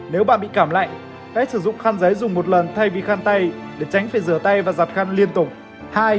nếu bạn bị cảm lạnh hãy sử dụng khăn giấy dùng một lần thay vì khan tay để tránh phải rửa tay và giặt khăn liên tục